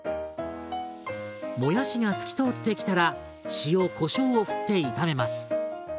もやしが透き通ってきたら塩こしょうをふって炒めます。